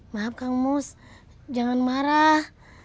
maaf kang mus jangan marah